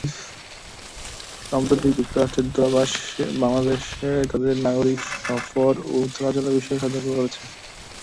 সম্প্রতি যুক্তরাষ্ট্রের দূতাবাস বাংলাদেশে তাদের নাগরিকদের সফর ও চলাচলের বিষয়ে সতর্ক করেছে।